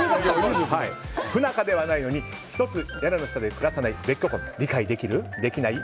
不仲ではないのに１つ屋根の下で暮らさない別居婚、理解できる？できない？